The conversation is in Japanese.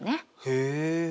へえ。